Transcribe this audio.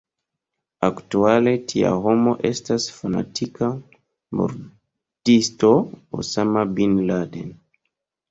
Aktuale tia homo estas fanatika murdisto Osama bin Laden.